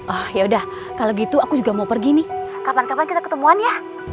ah yaudah kalau gitu aku juga mau pergi nih kapan kapan kita ketemuan ya